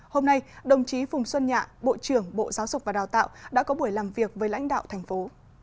hôm nay đồng chí phùng xuân nhạ bộ trưởng bộ giáo dục và đào tạo đã có buổi làm việc với lãnh đạo thành phố